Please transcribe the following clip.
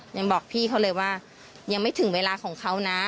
ยังบอกพี่เขาเลยว่ายังไม่ถึงเวลาของเขานะ